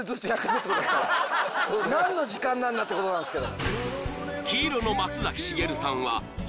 何の時間なんだってことなんですけど。